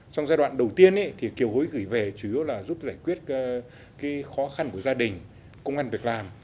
trong giai đoạn đầu tiên thì kiều hối gửi về chủ yếu là giúp giải quyết khó khăn của gia đình công an việc làm